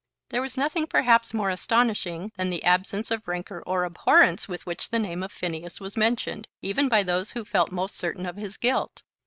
There was nothing, perhaps, more astonishing than the absence of rancour or abhorrence with which the name of Phineas was mentioned, even by those who felt most certain of his guilt.